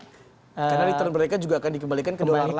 karena return mereka juga akan dikembalikan ke dollar lagi gitu ya